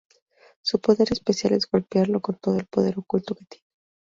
Su poder especial es golpearlo con todo el poder oculto que tiene.